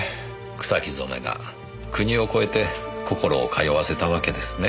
草木染めが国を越えて心を通わせたわけですねえ。